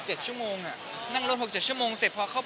เมื่อเข้าป่าก็เดินกลางอีกชั่วโมงขวาจะถึง